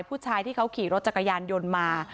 ผู้ชายที่เขาขี่รถจักรยานยนต์มา